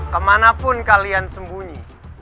kemana pun kalian sembunyi